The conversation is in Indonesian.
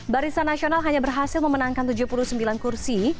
barisan nasional hanya berhasil memenangkan tujuh puluh sembilan kursi